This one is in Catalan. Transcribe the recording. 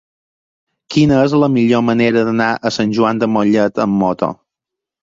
Quina és la millor manera d'anar a Sant Joan de Mollet amb moto?